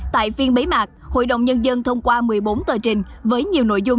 tại phiên bế mạc hội đồng nhân dân thông qua một mươi bốn tờ trình với nhiều nội dung